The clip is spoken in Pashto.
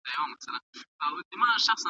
اندیښنه به کمه شي.